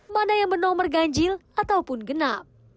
mana yang bernomor ganjil ataupun genap